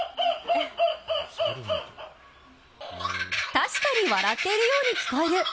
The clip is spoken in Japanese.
確かに笑っているように聞こえる。